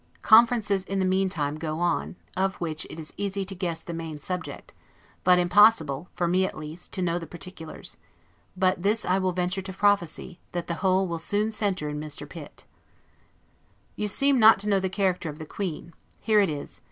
Conferences, in the meantime, go on, of which it is easy to guess the main subject, but impossible, for me at least, to know the particulars; but this I will venture to prophesy, that the whole will soon centre in Mr. Pitt. You seem not to know the character of the Queen: here it is.